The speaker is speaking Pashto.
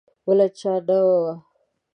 بله چاره نه وه.